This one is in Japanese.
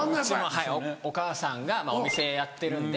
はいお母さんがお店やってるんで。